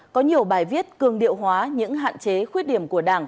có nhiều bài viết cường điệu hóa những hạn chế